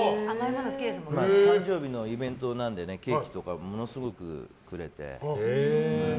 誕生日のイベントなんでケーキとかものすごくくれて。